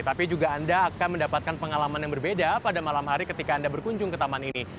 tapi juga anda akan mendapatkan pengalaman yang berbeda pada malam hari ketika anda berkunjung ke taman ini